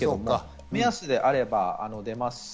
目安であれば出ます。